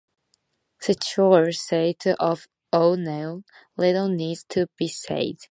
Scheuer said of O'Neill, little needs to be said.